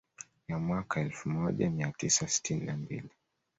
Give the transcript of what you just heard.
Ya mwaka elfu moja mia tisa sitini na mbili